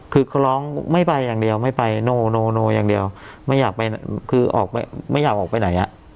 คือเขาร้องไม่ไปอย่างเดียวไม่ไปโนอย่างเดียวไม่อยากไปคือออกไปไม่อยากออกไปไหนอ่ะ